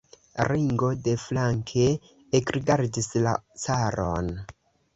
Ringo deflanke ekrigardis la caron.